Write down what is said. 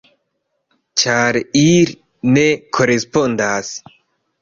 Ĉar ili ne korespondas.